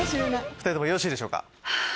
２人ともよろしいでしょうか。